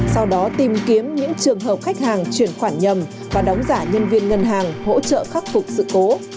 sau đó tìm kiếm những trường hợp khách hàng chuyển khoản nhầm và đóng giả nhân viên ngân hàng hỗ trợ khắc phục sự cố